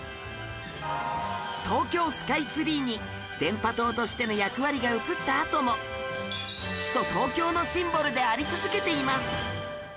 東京スカイツリーに電波塔としての役割が移ったあとも首都東京のシンボルであり続けています